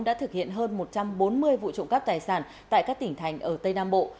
đã thực hiện hơn một trăm bốn mươi vụ trộm cắp tài sản tại các tỉnh thành ở tây nam bộ